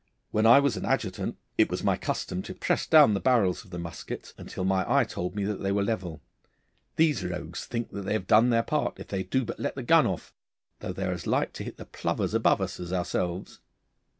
When I was an adjutant it was my custom to press down the barrels of the muskets until my eye told me that they were level. These rogues think that they have done their part if they do but let the gun off, though they are as like to hit the plovers above us as ourselves.